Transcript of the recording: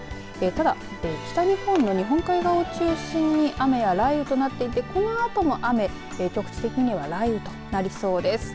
ただ、北日本の日本海側を中心に雨や雷雨となっていてこのあとも雨局地的には雷雨となりそうです。